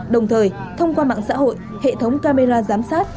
đồng thời thông qua mạng xã hội hệ thống camera giám sát